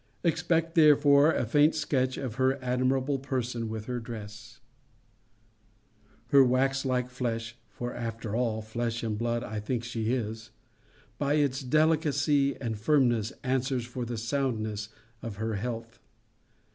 Expect therefore a faint sketch of her admirable person with her dress. Her wax like flesh (for after all, flesh and blood I think she is) by its delicacy and firmness, answers for the soundness of her health.